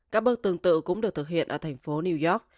các bước tương tự cũng được thực hiện ở thành phố new york